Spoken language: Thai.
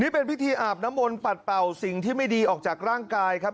เป็นพิธีอาบน้ำมนต์ปัดเป่าสิ่งที่ไม่ดีออกจากร่างกายครับ